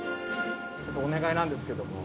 ちょっとお願いなんですけども。